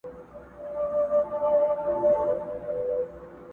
همدا ښارونه، دا کیسې او دا نیکونه به وي٫